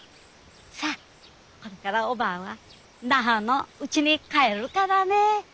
さぁこれからおばぁは那覇のうちに帰るからね。